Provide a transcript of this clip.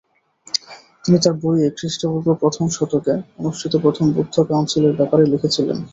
তিনি তার বইয়ে খৃষ্টপূর্ব প্রথম শতকে অনুষ্ঠিত প্রথম বৌদ্ধ কাউন্সিলের ব্যাপারে লিখেছিলেন।